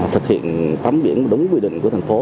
thực hiện tắm biển đúng quy định của thành phố